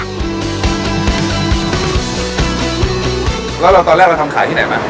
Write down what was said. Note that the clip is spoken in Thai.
แล้วเราตอนแรกเราทำขายที่ไหนไหม